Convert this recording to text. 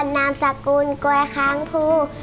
นามสกุลกล้วยค้างภู